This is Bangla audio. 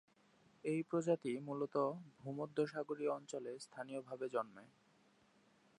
এই প্রজাতি মূলত ভূমধ্যসাগরীয় অঞ্চলে স্থানীয়ভাবে জন্মে।